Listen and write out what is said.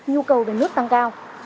nhu cầu về nước tăng cao